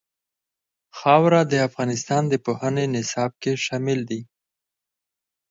خاوره د افغانستان د پوهنې نصاب کې شامل دي.